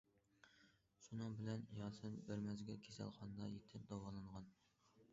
شۇنىڭ بىلەن ياسىن بىر مەزگىل كېسەلخانىدا يېتىپ داۋالانغان.